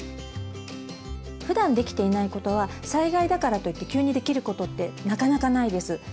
ふだんできていないことは災害だからといって急にできることってなかなかないです。